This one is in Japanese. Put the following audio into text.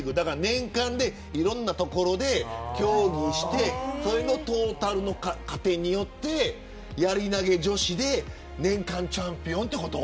年間でいろんな所で競技してそれのトータルの加点によってやり投げ女子で年間チャンピオンということ。